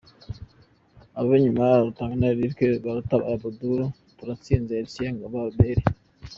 Ab’inyuma: Rutanga Eric, Rwatubyaye Abdul, Turatsinze Hertier, Ngabo Albert.